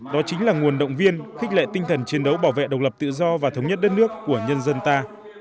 đó chính là nguồn động viên khích lệ tinh thần chiến đấu bảo vệ độc lập tự do và thống nhất đất nước của nhân dân ta